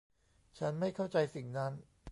ฉันไม่เข้าใจสิ่งนั้น